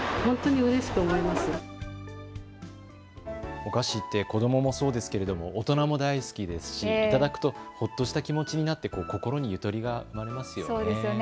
お菓子って子どももそうですけれども大人も大好きですしいただくとほっとした気持ちになって心にゆとりが生まれますよね。